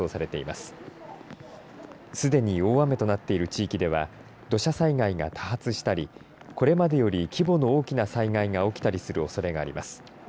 すでに大雨となっている地域では土砂災害が多発したりこれまでより規模の大きな災害が起きたりするおそれがあります。